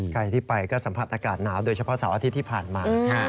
ใครที่ไปก็สัมผัสอากาศหนาวโดยเฉพาะเสาร์อาทิตย์ที่ผ่านมา